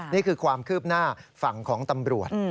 นี่คือความคืบหน้าฝั่งของตำรวจ